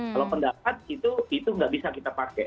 kalau pendapat itu nggak bisa kita pakai